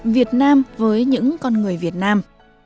việt nam với những con người việt nam